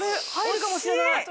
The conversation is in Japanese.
入るかもしれない。